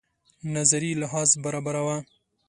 نظري لحاظ برابره وه.